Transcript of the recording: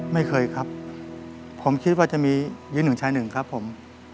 ไม่เคยครับผมคิดว่าจะมียืนหนึ่งชายหนึ่งครับผม